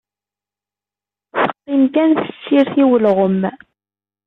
Teqqim kan tessirt i ulɣem.